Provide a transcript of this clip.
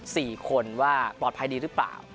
สี่คนว่าปลอดภัยดีหรือเปล่า